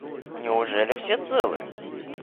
— Неужели все целы?